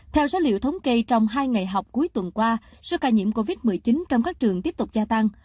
theo số liệu thống kê trong hai ngày học cuối tuần qua số ca nhiễm covid một mươi chín trong các trường tiếp tục gia tăng